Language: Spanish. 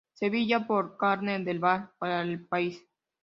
Sevilla, por "Carmen del Val" para El País.